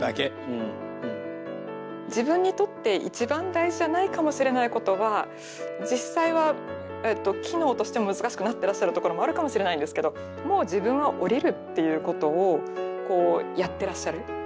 自分にとって一番大事じゃないかもしれないことは実際は機能としても難しくなってらっしゃるところもあるかもしれないんですけどもう自分は降りるっていうことをこうやってらっしゃる。